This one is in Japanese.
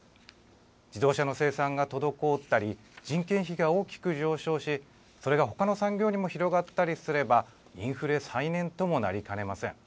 自動車の生産が滞ったり、人件費が大きく上昇し、それがほかの産業にも広がったりすれば、インフレ再燃ともなりかねません。